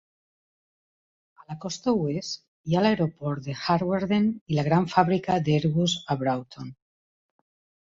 A la costa oest hi ha l'aeroport de Hawarden i la gran fàbrica d'Airbus a Broughton.